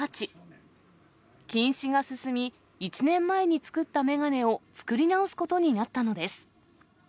近視が進み、１年前に作った眼鏡を作り直すことになったのです。